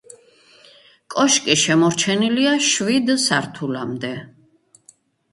კოშკი შემორჩენილია შვიდ სართულამდე.